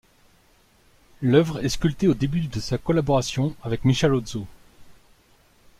L'œuvre est sculptée au début de sa collaboration avec Michelozzo.